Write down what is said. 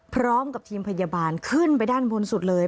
พร้อมกับทีมพยาบาลขึ้นไปด้านบนสุดเลย